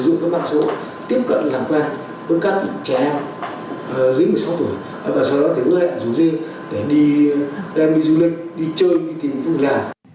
để đi đem đi du lịch đi chơi đi tìm công nghệ làm